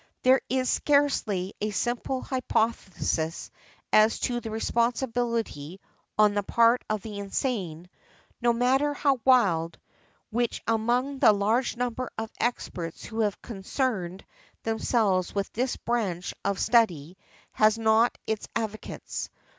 There is scarcely a single hypothesis as to responsibility (on the part of the insane), no matter how wild, which, among the large number of experts who have concerned themselves with this branch of study, has not its advocates.